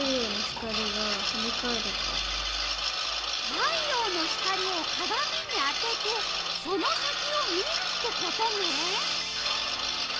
太陽の光をかがみにあててその先を見るってことね。